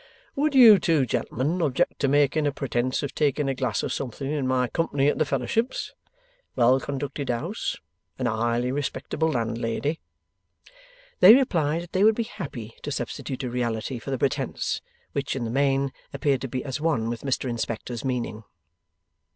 Would you two gentlemen object to making a pretence of taking a glass of something in my company at the Fellowships? Well conducted house, and highly respectable landlady.' They replied that they would be happy to substitute a reality for the pretence, which, in the main, appeared to be as one with Mr Inspector's meaning.